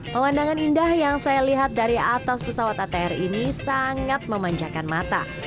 pemandangan indah yang saya lihat dari atas pesawat atr ini sangat memanjakan mata